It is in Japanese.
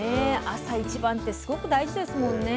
朝一番ってすごく大事ですもんね。